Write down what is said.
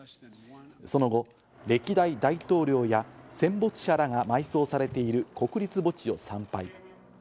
その後、歴代大統領や戦没者らが埋葬されている国立墓地を参拝。